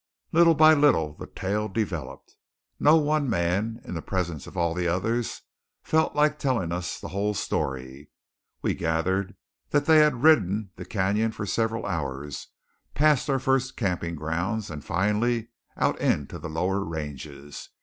Little by little the tale developed. No one man, in the presence of all the others, felt like telling us the whole story. We gathered that they had ridden the cañon for several hours, past our first camping grounds, and finally out into the lower ranges.